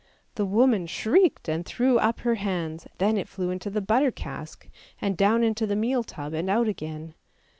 The woman shrieked and threw up her hands, then it flew into the butter cask, and down into the meal tub and out again.